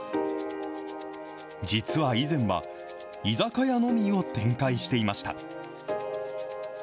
実は以前は、居酒屋のみを展開していました。